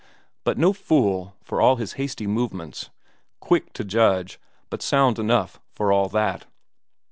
But no fool, for all his hasty movements; quick to judge, but sound enough for all that.